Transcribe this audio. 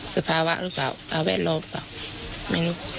สภาวะหรือเปล่าพาแวดล้อมเปล่าไม่รู้